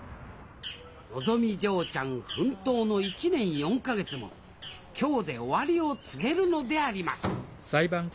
のぞみ嬢ちゃん奮闘の１年４か月も今日で終わりを告げるのであります